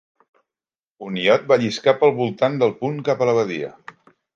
Un iot va lliscar pel voltant del punt cap a la badia.